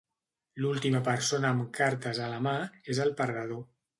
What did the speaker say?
L'última persona amb cartes a la mà és el perdedor.